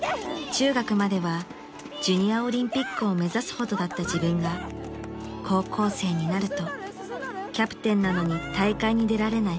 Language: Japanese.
［中学まではジュニアオリンピックを目指すほどだった自分が高校生になるとキャプテンなのに大会に出られない